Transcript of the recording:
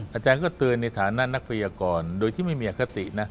อาจารย์ก็เตือนในฐานะนักพยากรโดยที่ไม่มีอคตินะ